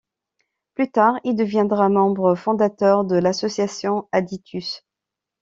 Plus tard il deviendra membre fondateur de l’association Aditus.